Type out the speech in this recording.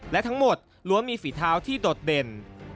และทั้งหมดล้วนมีฝีเท้าที่โดดเด่น